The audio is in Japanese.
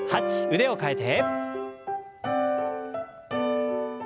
腕を替えて。